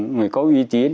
người có uy tín